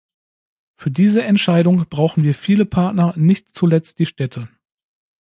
Für diese Entscheidung brauchen wir viele Partner, nicht zuletzt die Städte.